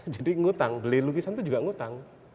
jadi ngutang beli lukisan itu juga ngutang